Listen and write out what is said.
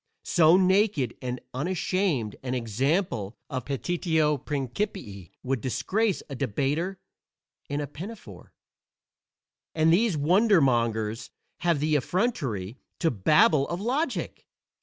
So naked and unashamed an example of petitio principii would disgrace a debater in a pinafore. And these wonder mongers have the effrontery to babble of "logic"!